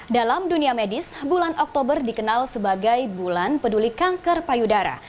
dalam dunia medis bulan oktober dikenal sebagai bulan peduli kanker payudara